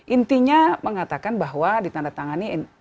intinya mengatakan bahwa ditandatangani